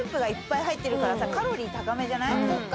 そっか。